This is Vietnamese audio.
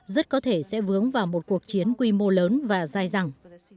rất có thể sẽ vướng vào một cuộc chiến quy mô lớn và dài dẳng